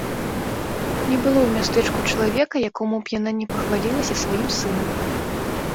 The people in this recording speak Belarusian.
Не было ў мястэчку чалавека, якому б яна не пахвалілася сваім сынам.